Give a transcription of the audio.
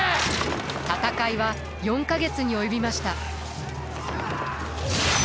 戦いは４か月に及びました。